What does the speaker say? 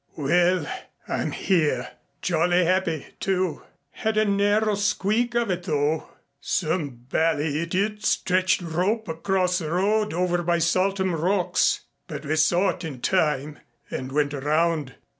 "Well, I'm here. Jolly happy, too. Had a narrow squeak of it, though. Some bally idiot stretched rope across the road over by Saltham Rocks, but we saw it in time, and went around.